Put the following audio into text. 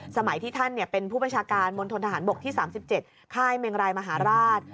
สมัยที่ท่านเป็นผู้ประชาการมณฑนทหารบกที่๓๗ค่ายเมงรายมหาราช